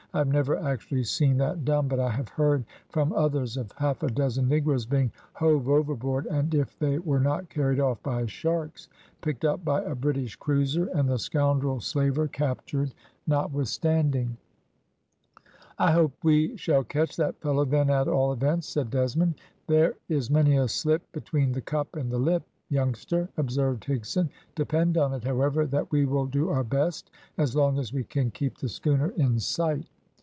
"I have never actually seen that done, but I have heard from others of half a dozen negroes being hove overboard, and if they were not carried off by sharks, picked up by a British cruiser, and the scoundrel slaver captured, notwithstanding." "I hope we shall catch that fellow, then, at all events," said Desmond. "There is many a slip between the cup and the lip, youngster," observed Higson. "Depend on it, however, that we will do our best as long as we can keep the schooner in sight."